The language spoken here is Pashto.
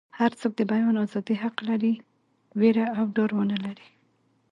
هر څوک د بیان ازادي حق لري ویره او ډار ونه لري.